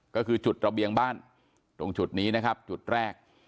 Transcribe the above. ก็คือจุดระเบียงบ้านตรงจุดนี้นะครับจุดแรก